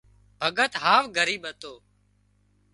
ڀڳت هاوَ ڳريٻ هتو